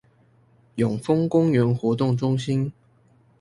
永豐公園活動中心